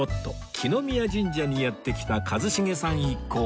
來宮神社にやって来た一茂さん一行